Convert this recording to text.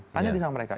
tanya di sana mereka